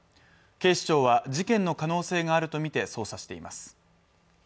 警視庁は事件の可能性があるとみて捜査しています。